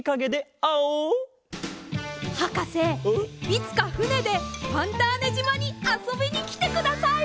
いつかふねでファンターネじまにあそびにきてください。